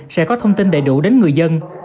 sẽ có thông tin đầy đủ đến người dân